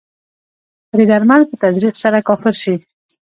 که د درمل په تزریق سره کافر شي.